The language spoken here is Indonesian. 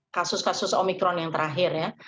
kasus kasus omikron yang terakhir ya